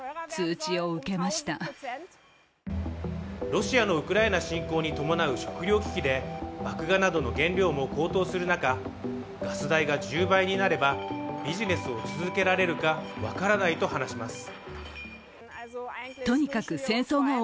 ロシアのウクライナ侵攻に伴う食糧危機で麦芽などの原料も高騰する中、ガス代が１０倍になればビジネスを続けられるか分からないと話します。